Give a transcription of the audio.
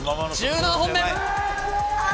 １７本目。